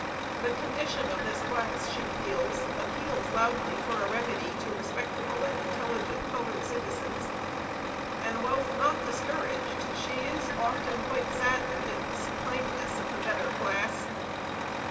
The condition of this class, she feels, appeals loudly for a remedy to respectable and intelligent colored citizens; and whilst not discouraged, she is often quite saddened at the supineness of the better class.